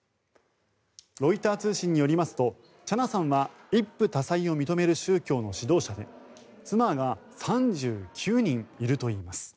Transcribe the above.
ロイター通信によりますとチャナさんは一夫多妻を認める宗教の指導者で妻が３９人いるといいます。